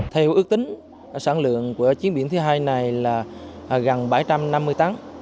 theo ước tính sản lượng của chiến biển thứ hai này là gần bảy trăm năm mươi tấn